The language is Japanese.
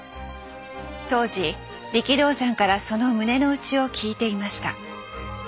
当時力道山からその胸の内を聞いていました。